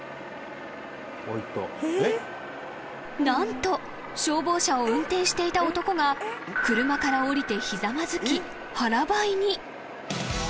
［何と消防車を運転していた男が車から降りてひざまずき腹ばいに］